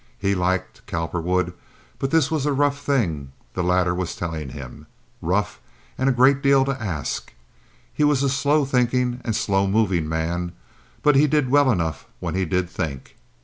He liked Cowperwood, but this was a rough thing the latter was telling him—rough, and a great deal to ask. He was a slow thinking and a slow moving man, but he did well enough when he did think.